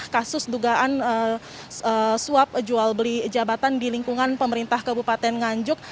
kasus dugaan suap jual beli jabatan di lingkungan pemerintah kabupaten nganjuk